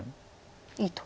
いいと。